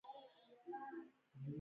خولۍ د حیا نښه ده.